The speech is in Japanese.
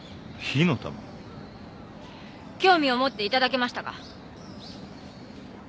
興味を持っていただけましたか？